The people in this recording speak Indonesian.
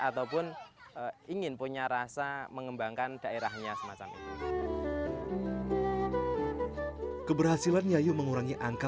ataupun ingin punya rasa mengembangkan daerahnya semacam itu keberhasilan yayu mengurangi angka